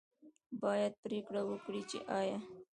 باید پرېکړه وکړي چې آیا